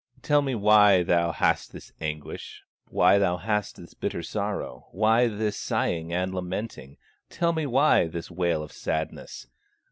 "Tell me why thou hast this anguish, Why thou hast this bitter sorrow, Why this sighing and lamenting, Tell me why this wail of sadness?